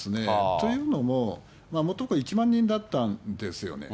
というのも、もとが１万人だったんですよね。